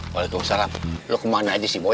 waalaikumsalam lo kemana aja sih boy